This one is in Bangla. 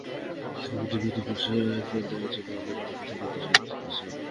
তিনি মোদির বিরুদ্ধে পুলিশের এফআইআর দায়ের জন্য আদালতের কাছে নির্দেশনা চেয়েছেন।